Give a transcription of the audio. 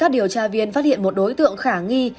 điều tra viên phát hiện một đối tượng khả nghi